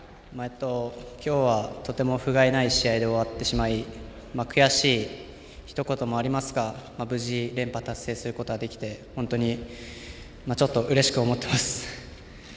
今日はとてもふがいない試合で終わってしまい悔しいとひと言もありますが無事、連覇達成することができて本当にちょっとうれしく思っています。